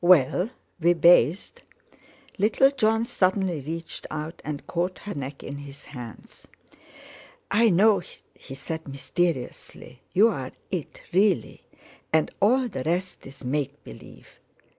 "Well, we bathed." Little Jon suddenly reached out and caught her neck in his hands. "I know," he said mysteriously, "you're it, really, and all the rest is make believe."